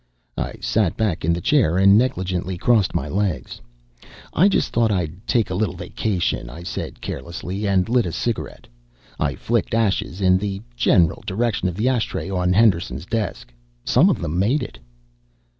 I sat back in the chair and negligently crossed my legs. "I just thought I'd take a little vacation," I said carelessly, and lit a cigarette. I flicked ashes in the general direction of the ashtray on Henderson's desk. Some of them made it.